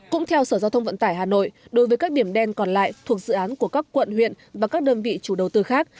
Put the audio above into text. cũng theo sở giao thông vận tải hà nội đối với các điểm đen còn lại thuộc dự án của các quận huyện và các đơn vị chủ đầu tư khác